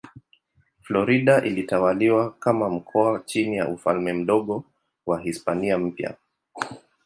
Florida ilitawaliwa kama mkoa chini ya Ufalme Mdogo wa Hispania Mpya.